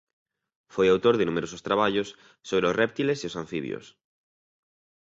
Foi autor de numerosos traballos sobre os réptiles e os anfibios.